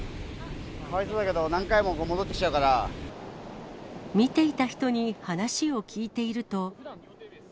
かわいそうだけど、見ていた人に話を聞いていると。